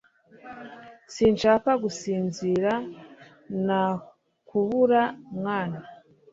sinshaka gusinzira Nakubura mwana